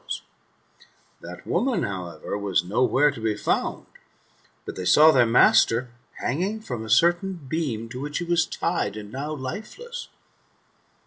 l6o THE METAMORPHOSIS, OR That woman, however, was no where to be found, but they saw their master hanging from a certain beam to which he was tied, and now lifeless.